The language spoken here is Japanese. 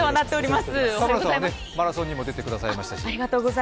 田村さんはマラソンにも出てくださいましたし。